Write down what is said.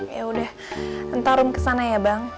yaudah entar rum kesana ya bang